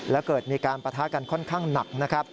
แล้วเกิดมีการประท้ากันค่อนข้างหนัก